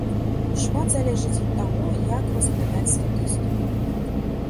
Шмат залежыць ад таго, як разглядаць статыстыку.